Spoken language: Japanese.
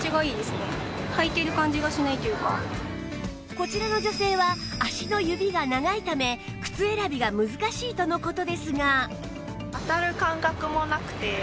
こちらの女性は足の指が長いため靴選びが難しいとの事ですが